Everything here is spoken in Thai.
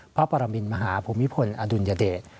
พระประลับมินมหาภูมิภลอดุลยเดช